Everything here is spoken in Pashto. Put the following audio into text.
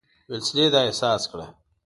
ویلسلي دا احساس کړه.